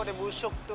dia busuk tuh